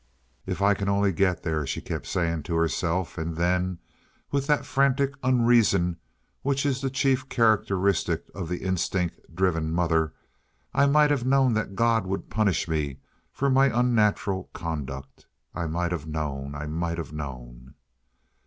"If I can only get there," she kept saying to herself; and then, with that frantic unreason which is the chief characteristic of the instinct driven mother: "I might have known that God would punish me for my unnatural conduct. I might have known—I might have known."